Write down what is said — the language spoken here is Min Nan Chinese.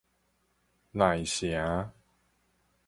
荔城